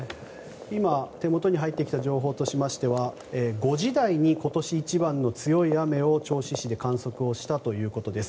今、手元に入ってきた情報としましては５時台に今年一番の強い雨を銚子市で観測をしたということです。